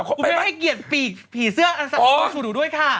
กูไม่ให้เกียรติภีร์เสื้อสงสัยสู่หนูด้วยค่ะ